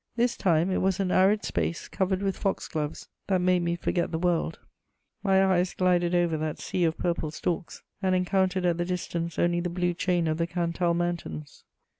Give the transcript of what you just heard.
This time it was an arid space covered with fox gloves that made me forget the world: my eyes glided over that sea of purple stalks, and encountered at the distance only the blue chain of the Cantal Mountains.